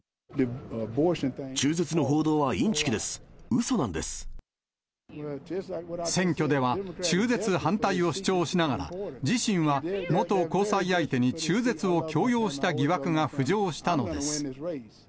中絶の報道はインチキです、選挙では、中絶反対を主張しながら、自身は元交際相手に中絶を強要した疑惑が浮上したのです。